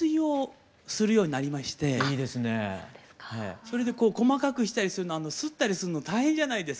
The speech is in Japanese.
それでこう細かくしたりするのすったりするの大変じゃないですか。